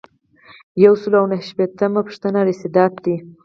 یو سل او نهه شپیتمه پوښتنه رسیدات دي.